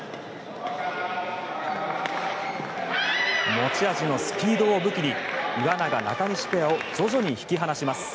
持ち味のスピードを武器に岩永、中西ペアを徐々に引き離します。